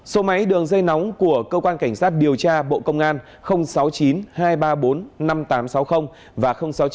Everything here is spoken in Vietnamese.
số máy đường dây nóng của cơ quan cảnh sát điều tra bộ công an sáu mươi chín hai trăm ba mươi bốn năm nghìn tám trăm sáu mươi và sáu mươi chín hai trăm ba mươi một một nghìn sáu trăm sáu mươi